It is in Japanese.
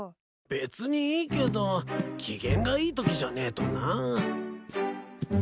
別にいいけど機嫌がいいときじゃねえとなぁ。